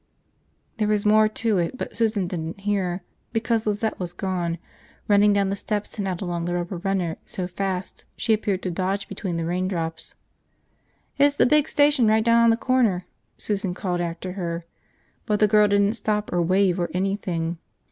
.." There was more to it but Susan didn't hear, because Lizette was gone, running down the steps and out along the rubber runner so fast she appeared to dodge between the raindrops. "It's the big station right down on the corner!" Susan called after her. But the girl didn't stop or wave or anything.